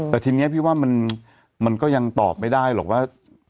แต่ทีนี้พี่ว่ามันก็ยังตอบไม่ได้หรอกว่า